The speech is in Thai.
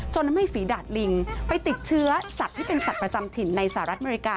ทำให้ฝีดาดลิงไปติดเชื้อสัตว์ที่เป็นสัตว์ประจำถิ่นในสหรัฐอเมริกา